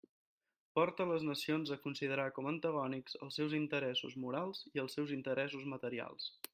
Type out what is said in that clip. Porta les nacions a considerar com a antagònics els seus interessos morals i els seus interessos materials.